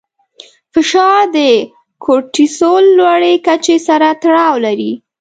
فشار د کورټیسول لوړې کچې سره تړاو لري.